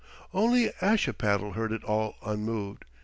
Only Ashipattle heard it all unmoved.